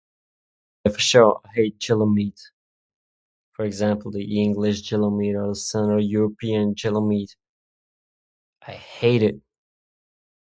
I for sure hate Jello meat. For example the English jello meat, or the central European jello meat. I hate it.